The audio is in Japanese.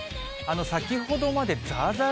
先ほどまでざーざー